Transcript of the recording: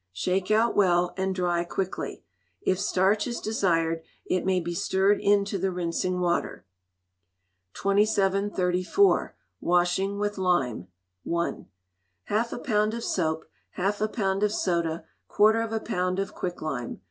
Shake out well, and dry quickly. If starch is desired, it may be stirred into the rinsing water. 2734. Washing with Lime (1). Half a pound of soap; half a pound of soda; quarter of a pound of quick lime.